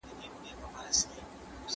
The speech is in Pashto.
¬ سپين ږيري سپيني خبري کوي.